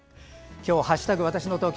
今日「＃わたしの東京」